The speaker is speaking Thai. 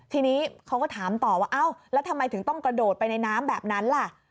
ทีนี้เขาก็ถามต่อว่าเอ้าแล้วทำไมถึงต้องกระโดดไปในน้ำแบบนั้นล่ะ